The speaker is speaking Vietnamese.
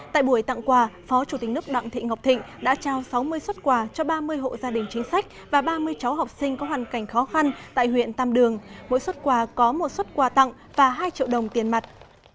tại buổi tặng quà phó chủ tịch nước đặng thị ngọc thịnh đã trao sáu mươi xuất quà cho ba mươi hộ gia đình chính sách và ba mươi cháu học sinh có hoàn cảnh khó khăn tại huyện tam đường mỗi xuất quà có một xuất quà tặng và hai triệu đồng tiền mặt